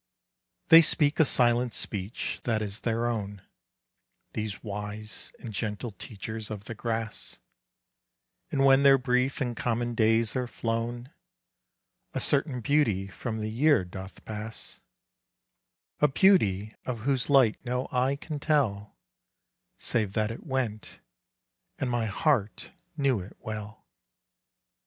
They speak a silent speech that is their own, These wise and gentle teachers of the grass; And when their brief and common days are flown, A certain beauty from the year doth pass: A beauty of whose light no eye can tell, Save that it went; and my heart knew it well.